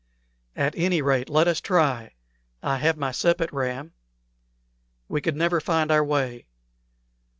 "At any rate, let us try. I have my sepet ram." "We could never find our way."